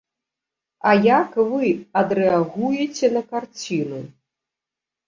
А як вы адрэагуеце на карціну?